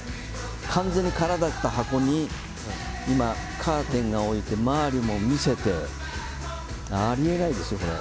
完全に空だった箱に今、カーテンを置いて周りも見せてあり得ないですよ、これ。